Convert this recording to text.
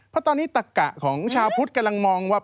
เพราะตอนนี้ตะกะของชาวพุทธกำลังมองว่า